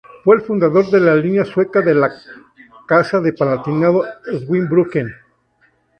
Fue el fundador de la línea sueca de la Casa de Palatinado-Zweibrücken.